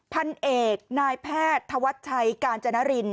พันเอกนายแพทย์ธวัชชัยกาญจนริน